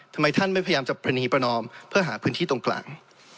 ทำไมท่านไม่พยายามจะประนีประนอมเพื่อหาพื้นที่ตรงกลาง